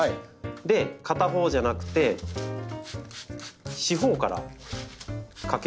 で片方じゃなくて四方からかけるんですね。